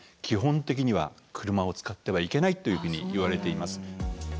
基本的には車を使ってはいけないというふうにいわれています。